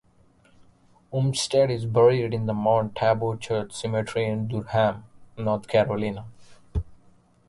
Umstead is buried in the Mount Tabor Church Cemetery in Durham, North Carolina.